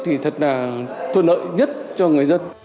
thì thật là thuận lợi nhất cho người dân